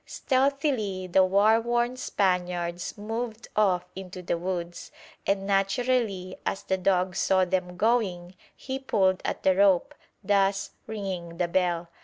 Stealthily the war worn Spaniards moved off into the woods, and naturally, as the dog saw them going, he pulled at the rope, thus ringing the bell.